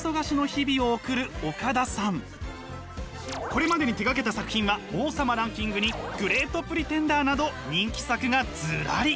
これまでに手がけた作品は「王様ランキング」に「ＧＲＥＡＴＰＲＥＴＥＮＤＥＲ」など人気作がずらり！